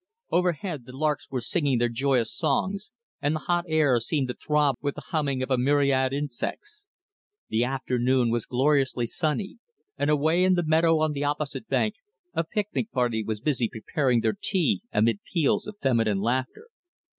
Overhead the larks were singing their joyous songs and the hot air seemed to throb with the humming of a myriad insects. The afternoon was gloriously sunny, and away in the meadow on the opposite bank a picnic party were busy preparing their tea amid peals of feminine laughter.